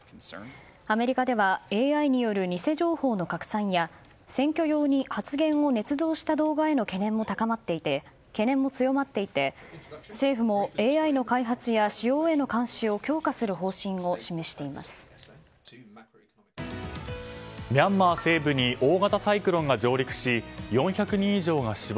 アメリカでは、ＡＩによる偽情報の拡散や、選挙用に発言をねつ造した動画への懸念も強まっていて政府もＡＩの開発や使用への監視をミャンマー西部に大型サイクロンが上陸し４００人以上が死亡。